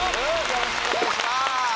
よろしくお願いします。